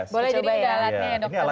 boleh jadi ini alatnya ya dokter ya